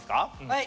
はい！